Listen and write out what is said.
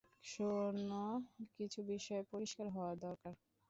শোন, কিছু বিষয়ে পরিষ্কার হওয়া দরকার।